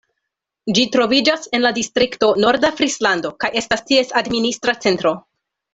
Ĝi troviĝas en la distrikto Norda Frislando, kaj estas ties administra centro.